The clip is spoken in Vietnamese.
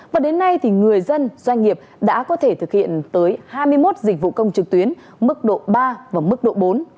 và đến nay thì người dân doanh nghiệp đã có thể thực hiện tới hai mươi một dịch vụ công trực tuyến mức độ ba và mức độ bốn